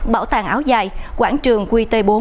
bảo tàng áo dài quảng trường qt bốn